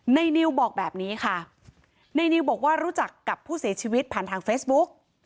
นิวบอกแบบนี้ค่ะในนิวบอกว่ารู้จักกับผู้เสียชีวิตผ่านทางเฟซบุ๊ก